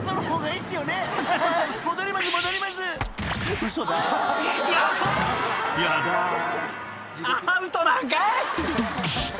いやアウトなんかい！］